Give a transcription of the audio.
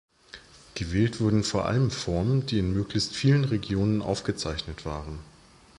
Gewählt wurden vor allem Formen, die in möglichst vielen Regionen aufgezeichnet waren.